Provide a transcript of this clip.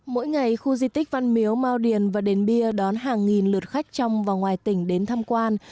mỗi ngày khu di tích văn miếu mau điền và đền bia đón hàng nghìn lượt khách trong và ngoài tỉnh đến tham quan